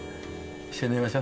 一緒に飲みましょ。